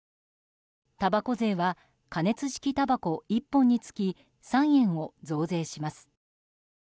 たばこ税は加熱式たばこ１本につき３円を増税します。